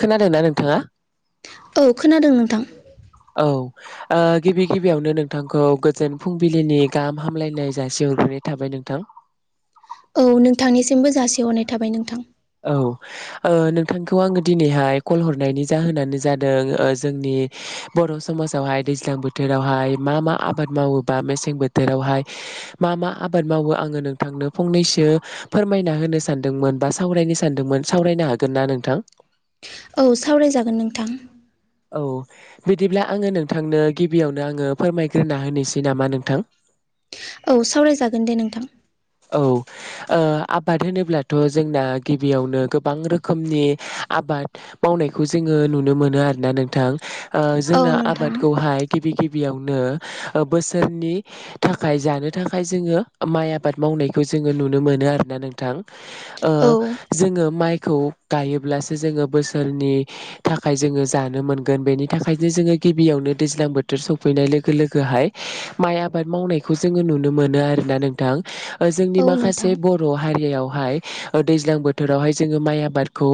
खोनादोंना नोंथाङा औ खोनादों नोंथां औ। ओ गिबि गिबियावनो नोंथांखौ गोजोन फुंबिलिनि गाहाम हामलायनाय जासिहरग्रोनाय थाबाय। नोंथां। औ नोंथांनिसिमबो जासिहरनाय थाबाय नोंथां। औ ओ नोंथांखौ आङो दिनैहाय कल हरनायनि जाहोनानो जादों ओ जोंनि नि बर' समाजावहाय दैज्लां बोथोरावहाय मा मा आबाद मावो बा मेसें बोथोरावहाय मा मा आबाद मावो आङो नोंथांनो फंनैसो फोरमायना होनो सानदोंमोन बासा सावरायनो सानदोंमोन सावरायनो हागोन ना नोंथां? औ सावरायजागोन नोंथां। औ बिदिब्ला आङो नोंथांनो गिबियावनो आङो फोरमायग्रोना होनोसै नामा नोंथां? [unintelligible] औ सावरायजागोन दे नोंथां। औ। ओ आबाद होनोब्लाथ' जोंना गिबियावनो गोबां रोखोमनि आबाद माव मावनाय जोङो नुनो मोनो आरोना नोंथां ओ औ जोंना नोंथां आबादखौहाय गिबि गिबियावनो बोसोरनि थाखाय जानो थाखाय जोङो माइ आ बाद मावनायखौ जोङो नुनो मोनो आरोना नोंथां ओ औ जोङो माइ खौ गायोब्लासो जोङो बोसोरनि थाखाय जोङो जानो मोनगोन बेनि थाखायनो जोङो गिबियावनो दैज्लां बोथोर सफैनाय लोगो लोगोहाय माइ आबाद मावनायखौ जोङो नुनो मोनो आरो। ना नोंथां? हो जोंनि औ नोंथां माखासे बर' हारियाव हाय दैज्लां बोथोरावहाय जोङो माइ आबादखौ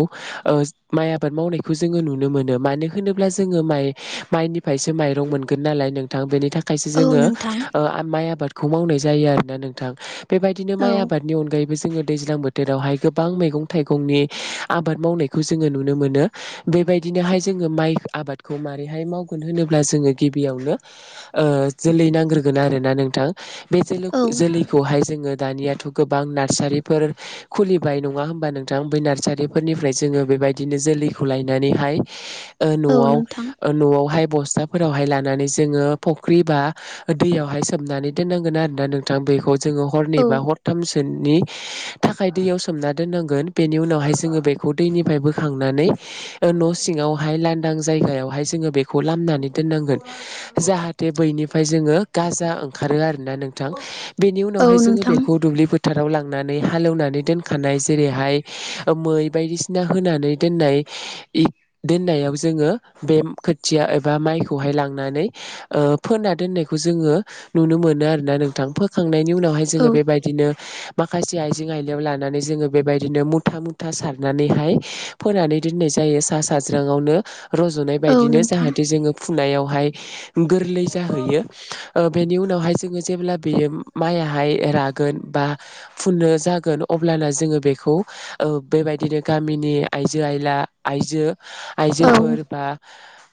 ओ माइ आबाद मावनायखौ जोङो नुनो मोन मोनो मानो होनोब्ला जोङो माइ माइनिफ्रायसो माइरं मोनगोन नालाय नोंथां बेनि थाख खायसे औ जोङो नोंथां ओ माइ आबादखौ मावनाय जायो आरोना नोंथां। बेबायदिनो औ माइ आबादनि अनगायैबो जोङो दैज्लां बोथोरावहाय गोबां मैगं थाइगंनि आबाद मावनायखौ जोङो नुनो मोनो बेबायदि बिदिनोहाय जों माइ आबादखौ मारैहाय मावगोन होनोबा जोङो गिबियावनो ओ जोलै नांग्रोगोन आरो ना नोंथां बे औ जोलग जोलै जोंङो दानियाथ' गोबां नार्सारिफोर खुलिबाय नंङा होमबा नोंथां बै नार्सारिफोरनिफ्राय जों ङो बेबायदिनो जोलैखौ लायनानै हाय ओ औ न'आव नोंथां ओ न'आवहाय बसथा फोरावहाय लानानै जोंङो फख्रि बा दैयावहाय सोमनानै दोननांगोन आरोना नोंथां बैखौ। जोंङो हरनै औ बा हरथामसोनि थाखाय दैयाव सोमना दोननांगोन बेनि उनावहाय जोंङो बेखौ खौ दै निफ्राय बोखांनानै ओ न'सिंङावहाइ लायेन नां जायगायावहाय जोंङो बेखौ लामनानै दोननांगोन जाहाथे बैनिफ्राय जोंङो गाजा ओंखारो आरोना नोंथां बिनि उनावहाय औ जोंङो नोंथां बेखौ दुब्लि फोथार राव लांनानै हालेवनानै दोनखानाय जेरैहाय मै बायदिसिना होनानै दोननाय दि दोननायाव जोंङो बे खोथिया एबा माइखौहाय लांनानै ओ फोना दोननायखौ जोंङो नुनो मोनो आरोना नोंथां फोखांनायनि उनावहाय औ जोंङो बेबायदिनो माखासे आइजें आइलायाव लानानै जोंङो बेबायदिनो मुथा मुथा सारनानैहाय फोनानै दिन नाय जायो सा सााज्रांङावनो रज'नाय औ बायदिनो नोंथां जाहाथे जोंङो फुनायावहाय गोरलै जाहैयो ओ बेनि उनावहाय जोंङो जेब्ला बेयो माइयाहाय रागोन बा फुनो जागोन अब्लाना जोंङो बेखौ ओ बेबायदिनो गामिनि आइजो आइला आइजो औ आइजोफोर बा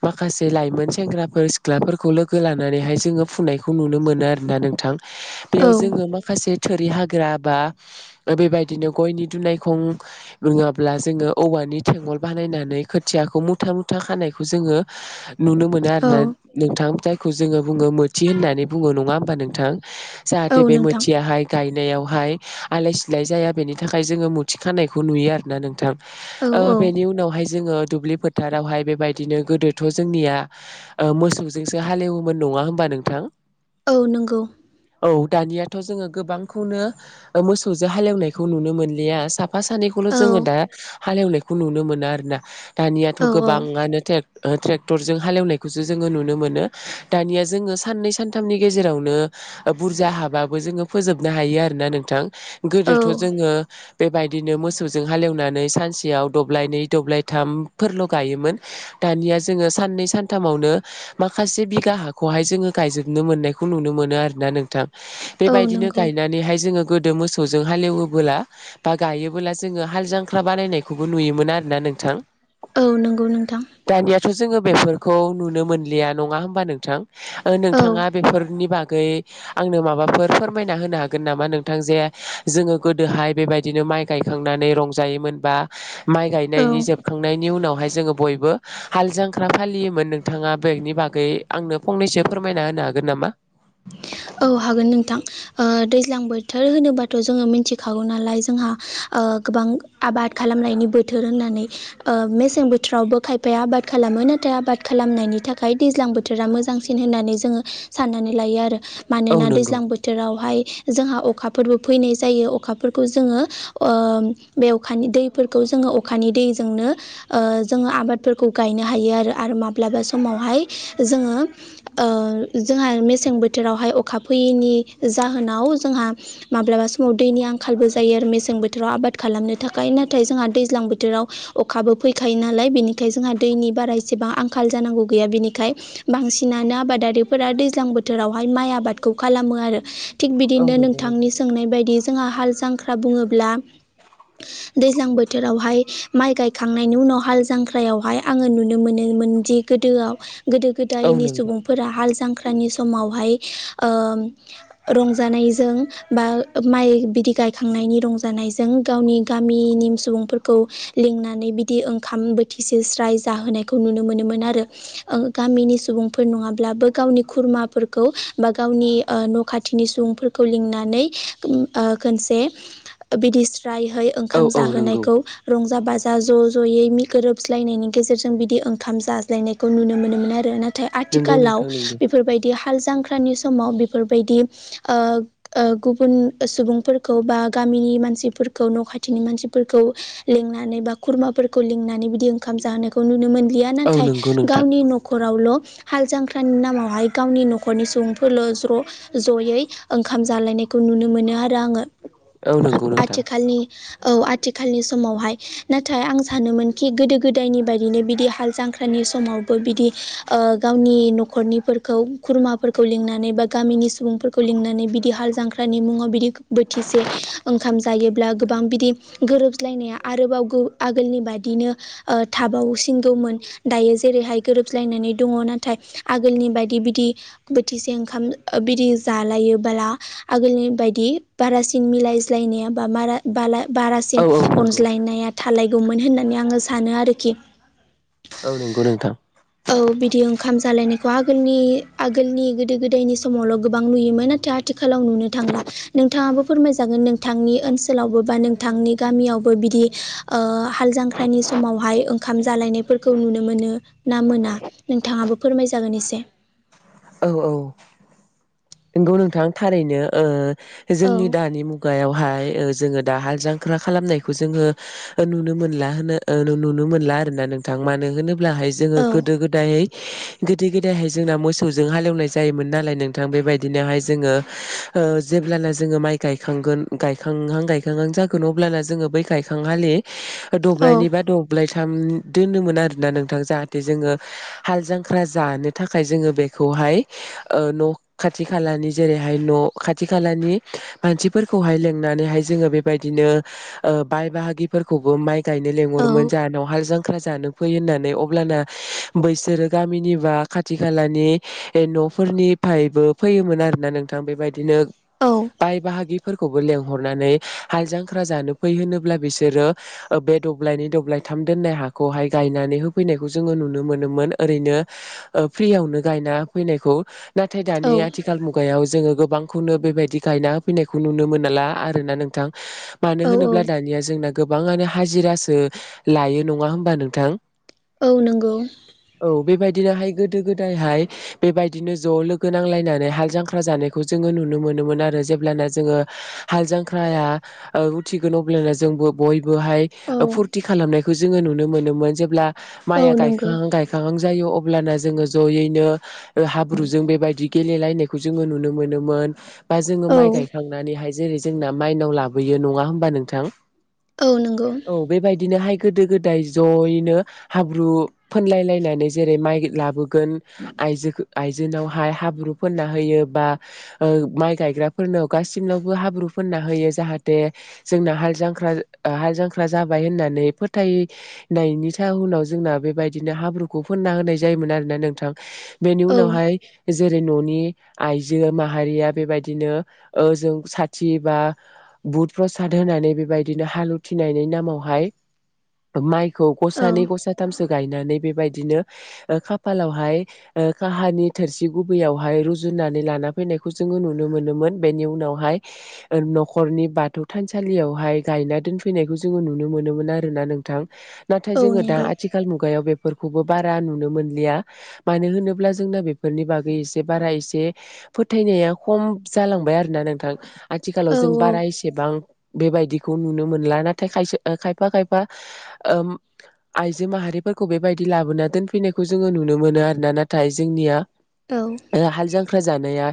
माखासे लाइमोन सेंग्राफोर सिख्लाफोरखौ लोगो लानानैहाय जोंङो फुनायखौ नुनो मोनो आरोना नोंथां। औ बेयाव जोंङो माखासे थोरि हाग्रा बा बेबायदिनो गयनि दुनायखं नंङाब्ला जोंङो औवानि थेंङल बानायनानै खोथियाखौ मुथा मुथा खानायखौ खौ जोंङो नुनो मोनो औ आरोना नोंथां जायखौ जोंङो बुंङो मोथि होननानै बुंङो नंङा होनब नोंथां औ जाहाथे बे नोंथां मोनथियाहाय गाय गायनायावहाय आलाय सिलाय जाया बेनि थाखाय जोंङो मुथि खानायखौ नुयो आरोना नोंथां। औ औ ओ बेनि उनावहाय जोंङो दुब्लि फोथारावहाय बेबायदिनो गोदोथ' जोंनिया ओ मोसौजोंसो हालेवोमोन नंङा होमबा नोंथां? औ नोंगौ औ दानियाथ' जोंङो गोबांखौनो मोसौजों हालेवनायखौ नुनो मोनलिया सा साफा सानैखौल' औ जोंङो दा हालेवनायखौ नुनो मोनो आरोना दानियाथ' औ औ गोबांङानो टेक ट्रेक्टरजों हालेवनायखौसो जोंङो नुनो मोनो दानिया जोंङो साननै सानथामनि गेजेरावनो बुरजा हाबाबो जोंङो फोजोबनो हायो आरोना नोंथां औ गोदोथ' जोंङो बेबायदिनो मोसौजों हालेवनानै सानसेयाव दब्लाय नै दब्लायथामफोरल' गायोमोन। दानिया जोंङो साननै सानथामावनो माखासे बिगा हाखौहाय जोंङो गायजोबनो मोननायखौ नुनो मोनो आरो ना नोंथां औ बेबायदिनो नंगौ गायनानैहाय जोंङो गोदो मोसौजों हालेवोबोला बा गायोबोला जोंङो हाल जांख्रा बानायनायखौबो नुयोमोन आरो ना नोंथां? औ नंगौ नोंथां दानियाथ' जोंङो बेफोरखौ नुनो मोनलिया नंङा होमबा नोंथां ओ औ नोंथांङा बेफोरनि बागै आंनो माबाफोर फोरमायना होनो हागोन नामा नोंथां जे जोंङो गोदोहाय बेबायदिनो माइ गाय खांनानै रंजायोमोन बा माइ औ गायनायनि जोबखांनायनि उनावहाय जोंङो बयबो हाल जांख्रा फालियोमोन नोंथांङा बेनि बागै आंनो फंनैसो फोरमायना होनो हागोन। हागोन नामा? औ हागोन नोंथां ओ दैज्लां बोथोर होनोबाथ' जोंङो मिनथिखागौ नालाय जोंहा ओ गोबां आबाद खालामनायनि बोथोर होननानै ओ मेसें बोथोरावबो खायफाया आबाद खालामो मोन नाथाय आबाद खालामनायनि थाखाय दैज्लां बोथोरा मोजांसिन होननानै जोंङो साननानै लायो आरो। औ मानोना नंगौ दैज्लां बोथोरावहाय जोंहा अखाफोरबो फैनाय जायो अखाफोरखौ जोंङो ओं बे अखानि दैफोरखौ जोंङो अखानि दैजोंनो जोंङो आबादफोरखौ गायनो हायो आरो आरो माब्लाबा समावहाय जोंङो ओ जोंहा मेसें बोथोरावहाय अ खा फैयैनि जाहोनाव जोंहा माब्लाबा समाव दैनि आंखालबो जायो आरो मसें बोथोराव आबाद आबाद खालामनो थाखाय नाथाय जोंहा दैज्लां बोथोराव अखाबो फैखायो नालाय बेनिखाय जोंहा दैनि बारा बेसेबां आंखाल जानांगौ गैया बिनिखाय बांसिनानो आबादारिफोरा दैज्लां बोथोरावहाय माइ आबाद खौ खालामो आरो थिग औ बिदिनो नंगौ नोंथांनि नोंथां सोंनाय बायदि जोंहा हाल जांख्रा बुङोब्ला दैज्लां बोथोरावहाय माइ गायखांनायनि उनाव हाल जांख्रायावहाय आङो नुनो मोनो दि गोदोआव गोदो औ गोदायनि नंगौ सुबुंफोरा हाल जांख्रानि समावहाय रंजानायजों बा माइ बिदि गायखांनायनि रंजानायजों गावनि गामिनि सुबुंफोरखौ लिंनानै बिदि ओंखाम बोथिसे स्राय जाहोनायखौ नुनो मोनोम मोन आरो गामिनि सुबुंफोर नङाब्लाबो गावनि खुरमाफोरखौ बा गावनिह न' खाथिनि सुबुंफोरखौ लिंनानै खनसे बिदिस्रायहै औ ओंखाम औ नंगौ जाहोनायखौ रंजा जा बाजा ज' ज'यै गोरोबज्लायनायनि गेजेरजों बिदि ओंखाम जाज्लायनायखौ नुनो मोनोमोन आरो नाथाय नाथाय नंगौ आथिखालाव नोंथां नंगौ बेफोरबायदि हाल जांख्रा नि समाव बेफोरबायदि गुबुन सुबुंफोरखौ बा गामिनि मानसि फोरखौ न' खाथिनि मानसिफोरखौ लेंंनानै बा खुरमाफोरखौ लिंनानै बिदि ओंखाम जाहोनखौ नुनो मोन। गया औ नाथाय नंगौ नोंथां गावनि न'रावल' हाल जांख्रानि नामावहाय गावनि न' न'खरनि सुबुंफोरल' ज' ज'यै ओंखाम जालायनायखौ नुनो मोनो आरो आङो। औ नंगौ नोंथां आथि खालिनि औ आथिखालनि समावहाय नाथाय आं सानोमोनखि गोदो गोदायनि बायदिनो बिदि हाल जांख्रानि समावबो बिदि गावनि न'खरनिफोरखौ खुरमाफोरखौ लिंनानै बा गामिनि सुबुंफोरखौ लिंनानै बिदि हाल जांख्रानि मुङाव बिदि बो थिसे ओंखाम ज जायोब्ला गोबां बिदि गोरोब्लायनाया आरोबाव आगोलनि बाददिनो थाबाव गौमोन दायो जेरैहाय गोरोबज्लायनानै दङ नाथाय आगोलनि बायदि बिदि बोथिसे ओंखाम बि जालायोबोला आगोलनि बायदि बारासिन मिल यनाया बाला औ बारासिन औ नंगौ अनज्लायनाया थालायगौमोन होननानै आङो सानो आरोखि औ नंगौ नोंथां औ बिदि ओंखाम जालायनायखौ आगोलनि आगोलनि गोदो गोदायनि समावल' गोबां नुयोमोन नाथाय आथिखालाव नुनो थांला नोंथाङाबो फोरमायजागोन नोंथांनि ओनसोलावबो बा नोंथांनि गामियावबो बिदि हाल जांख्रानि समाव हा य ओंखाम जालायनायफोरखौ नुनो मोनो ना मोना नोंथाङाबो फोरमाय जागोन एसे। औ औ नंगौ नोंथां थारैनो औ जोंनि दानि मुगायावहाय जोङो दा हाल जांख्रा खालामनायखौ जोङो नुनो मोनला होनो नुनो मोनला आरोना मानो होनोब्लााय जोङो औ गो गोदाय जोंना मोसौजों हालेवनाय जायोम मोन नालाय नोंथां बेबायदि बिदिनो हाय जोंङो जेब्ला नाहाय माय गायखांनाय जागोन बोलाना जोंङो बै गायखांलि औ द्लबनि बा दबलाइ थाम दोनोमोन आरोना नोंथां जाहाथे जोङो हाल जांख्रा जानो थाखाय जोङो बेखौ हाय न' खाथि खालानि जेरैहाय न' खाथि खालानि मानसिफोरखौहाय लिंनानैहाय जोङो बेबायदिनो बाय बाहागिफोरखौबो माइ गायनो औ लेंहरोमोन जोहानाव हाल जों जानो फै होननानै अब्लाना बैसोरो गामिनि बा खाथि खालानि न' नफोरनि बायबो फैयोमोन आरो ना नोंथां बेबायदिनो औ बाय बाहागिफोरखौबो लें नानै हाल जांख्रा जानो फै होनोब्ला बिसोरो बे दबलयनि द्लायथाम दनाय ह गनानै होैनाय ज नुनो ओैनो फनो गायना फैनाय नाथाय औ दानिया मुगायाव जोङो गोबांखौनो बेबायदि गायना हो फैनायखौ नुनो मोनाला आर ना नोंथां। मानो औ औ होनोब्ला दानिया जोंना गोबाङानो हाजिरासो लायो नङा होमबा नोंथां औ नंगौ औ बेबायदिनोहाय गोदो गोदायहाय बेबायदिनो ज' लोगो नांलायना बे हाल जांख्रा जानाय जोंहो नुनो मोनोमोन आरो जेब्लाना जोङो हाल जांख्राआ ओ थिगोन अब्लाना जोंबो बयबोहाय औ फुरथि खालामनायखौ जोङो नुनो मोनोमोन जेब्ला औ माइआ नंगौ गायखांहां गायखांहां जायो अब्लाना जोङो ज'यैनो हाब्रुजों बेबायदि गेलायनायखौ जोङो नुनो मोनोमोन बा जोङो औ माइ गायखांनानैहाय जेरै जोंना मायनाव लाबोयो नंङा होमबा नोंथां औ नंगौ औ बेबायदिनोहाय गोदो गोदाय जयैनो हाब्रु फोनलाय लायनानै जेरै माइ लाबो गोन आइजोखो आइजोनावहाय हाब्रु फोनना होयो बा ओ माइ गायग्राफोरनाव गासिनावबो हाब्रु फोनना होयो जाहाथे जोंना हाल जांख्रा ओ हाल जांख्रा जाबाय होननानै फोथायनायनि जाउनाव जों ना बेबायदिनो हाब्रुखौ फोनना होनाय जायोमोन आरोना नोंथां। बेनि औ उनावहाय जेरै न' नि आइजो माहारिया बेबायदिनो ओजों साथि बा बुट प्र साद होनानै बेबायदिनो हाल उथिनायनि नामावहाय माइ खौ औ गसानै गसाथामसो गायनानै बेबायदिनो ओ खाफालावहाय ओ काहानि थोरसि गुबैयाव हाय रुजुननानै लाना फैनायखौ जोंङो नुनो मोनोमोन बेनि उनावहाय ओ नखरनि बाथौ थानसालियावहाय गायना दोनफैनायखौ जोङो नुनो मोनोमोन आरोना नोंथां। नाथाय औ जोङो दा नंगौ आथिखाल मुगायाव बेफोर खौबो बारा नुनो मोनलिया मानो होनोब्ला जोंना बेफोरनि बागै एसे बारा एसे फथायनाया खम जालांबाय आरो ना नोंथां। आथिखालाव औ जों बारा एसेबां बेबायदिखौ नुनो मोनला नाथाय खायसे ओ खायफा खायफा ओम आइजो माहारि फोरखौ बेबायदि लाबोना दोनफैनायखौ जोंङो नुनो मोनो आरोना नाथाय जोंनिया औ ओ हाल जांख्रा जानाया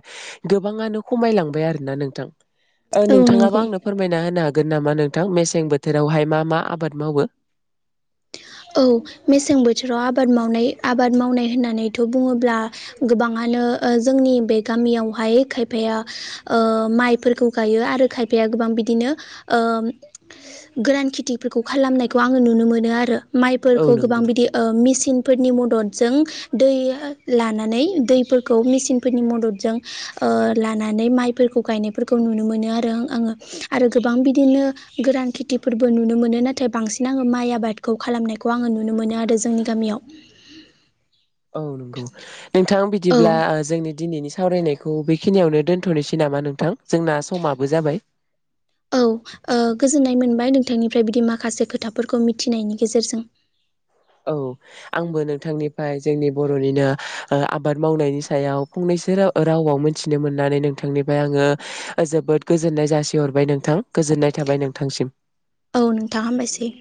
गोबाङानो खमायलांबाय आरोना नोंथां। ओ नोंथाङाबो नंगौ आंनो फोरमायना होनो हा गोन नामा नोंथां मेसें बोथोरावहाय मा मा आबाद मावो? औ मेसें बोथोराव आबाद मावनाय आबाद मावनाय होननानैथ' बुङोब्ला गोबाङानो ओ ओ जोंनि बे गामियावहाय खायफाया ओ माइफोरखौ गायो आरो खायफाया गोबां बिदिनो ओ गोरान खिथिफोरखौ खालामनायखौ आङो नुनो मोनो आरो। औ माइफोरखौ गोबां नंगौ। बिदि ओ मेचिन फोरनि मददजों दै लानानै दैफोरखौ मिचिन फोरनि मददजों ओ लानानै माइफोरखौ गायनायफोरखौ नुनो मोनो आरो आङो आरो गोबां बिदिनो गोरान खेथिफोरबो नुनो मोनो नाथाय बांसिन आङो माइ आबादखौ खालामनायखौ आङो नुनो मोनो आरो जोंनि गामियाव। औ नंगौ नोंथां औ बिदिब्ला जोंनि दिनैनि सावरायनायखौ बेखिनियावनो दोनथ'नोसै नामा नोंथां जोंना समाबो जाबाय। औ ओ गोजोननाय मोनबाय नोंथांनिफ्राय बिदि माखासे खोथाफोरखौ मिथिनायनि गेजेरजों। [inaudible] औ आंबो नोंथांनिफ्राय जोंनि बर'निनो ओ आबाद मावनायनि सायाव फंनैसो राव रावाव मोनथिनो मोननानै नोंथांनिफ्राय आङो जोबोद गोजोननाय जासिहरबाय नोंथां गोजोननाय था थाबाय नोंथांसिम। औ नोंथां हामबायसै।